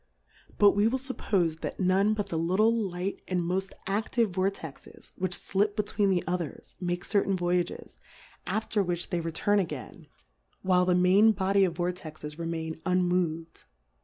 But we will fuppofe that none but the little Light, and moil: active Vortexes which flip between the others, make certain Voyages, after vyhich they return again while 158 Dilccurfes on the while the mRin Bo iy of Vortexes re main unmoved.